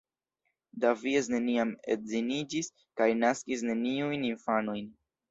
Davies neniam edziniĝis kaj naskis neniujn infanojn.